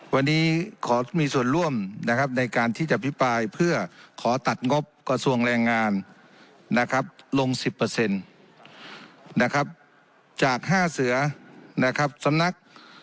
วันนี้ขอมีส่วนร่วมนะครับในการที่จะอภิปรายเพื่อขอตัดงบกระทรวงแรงงานนะครับลง๑๐นะครับจาก๕เสือนะครับสำนัก